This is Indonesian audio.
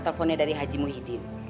teleponnya dari haji muhyiddin